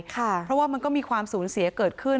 เพราะว่ามันก็มีความสูญเสียเกิดขึ้น